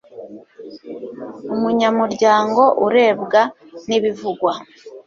umunyamuryango urebwa n'ibivugwa